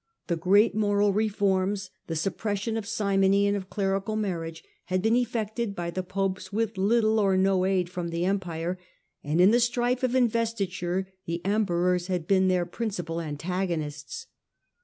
The great moral reforms, the suppression of simony and of clerical marriage, had been eflfected by the popes with little or no aid from the Empire, and in the strife of investiture the emperors had been their principiL antagonists.